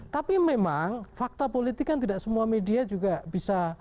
tapi memang fakta politik kan tidak semua media juga bisa